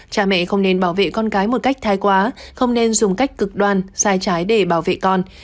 cha mẹ không nên bảo vệ con cái một cách thái quá không nên dùng cách cực đoan sai trái để bảo vệ con